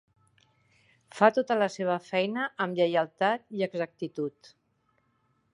Fa tota la seva feina amb lleialtat i exactitud.